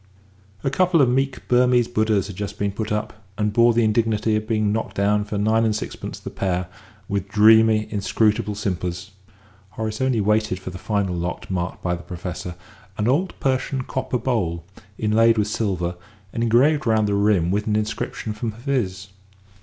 A couple of meek Burmese Buddhas had just been put up, and bore the indignity of being knocked down for nine and sixpence the pair with dreamy, inscrutable simpers; Horace only waited for the final lot marked by the Professor an old Persian copper bowl, inlaid with silver and engraved round the rim with an inscription from Hafiz.